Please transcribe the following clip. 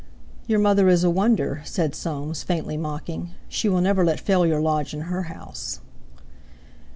"Your mother is a wonder," said Soames, faintly mocking; "she will never let failure lodge in her house."